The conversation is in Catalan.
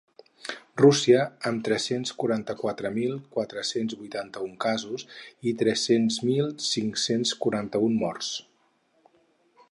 Rússia, amb tres-cents quaranta-quatre mil quatre-cents vuitanta-un casos i tres mil cinc-cents quaranta-un morts.